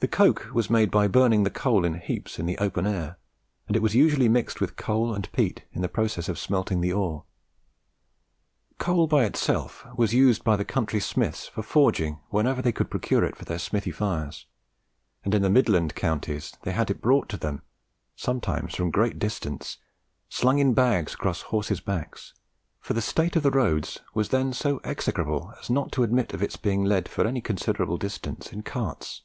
The coke was made by burning the coal in heaps in the open air, and it was usually mixed with coal and peat in the process of smelting the ore. Coal by itself was used by the country smiths for forging whenever they could procure it for their smithy fires; and in the midland counties they had it brought to them, sometimes from great distances, slung in bags across horses' backs, for the state of the roads was then so execrable as not to admit of its being led for any considerable distance in carts.